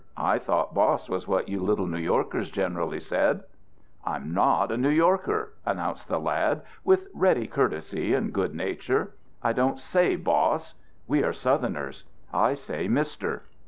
I thought boss was what you little New Yorkers generally said." "I'm not a New Yorker," announced the lad, with ready courtesy and good nature. "I don't say boss. We are Southerners. I say mister."